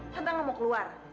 tante gak mau keluar